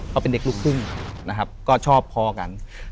เขาเป็นเด็กลูกครึ่งนะครับก็ชอบพอกัน